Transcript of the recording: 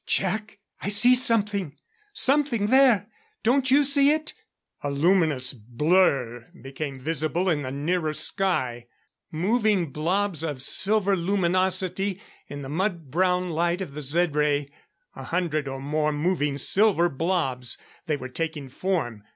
"Jac! I see something! Something there don't you see it?" A luminous blur became visible in the nearer sky moving blobs of silver luminosity in the mud brown light of the Zed ray. A hundred or more moving silver blobs. They were taking form.